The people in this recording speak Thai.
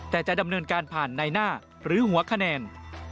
แต่จะดำเนินการผ่านในหน้าหรือหัวคะแนน